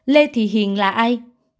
lê thị hiền là ai